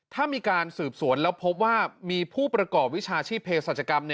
ถ้ามีการสืบสวนแล้วพบว่ามีผู้ประกอบวิชาชีพเพศรัชกรรม